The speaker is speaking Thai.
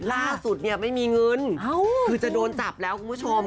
ล่าสุดเนี่ยไม่มีเงินคือจะโดนจับแล้วคุณผู้ชม